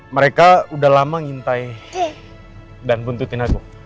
mereka udah lama ngintai dan buntutin aku